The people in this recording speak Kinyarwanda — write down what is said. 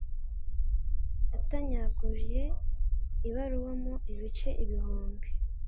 Yatanyaguye ibaruwa mo ibice igihumbi.